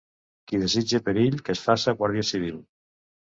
Qui desitge perill, que es faça guàrdia civil.